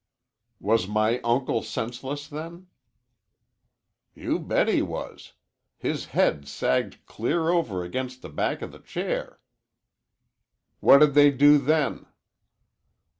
"Was my uncle senseless then?" "You bet he was. His head sagged clear over against the back of the chair." "What did they do then?"